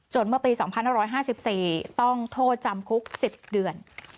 เมื่อปี๒๕๕๔ต้องโทษจำคุก๑๐เดือน